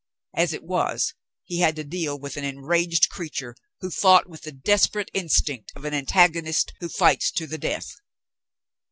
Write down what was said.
As it was, he had to deal with an enraged creature who fought with the desperate instinct of an antagonist who fights to the death.